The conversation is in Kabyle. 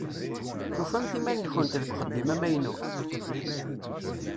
Tufamt iman-nkent deg uxeddim amaynut?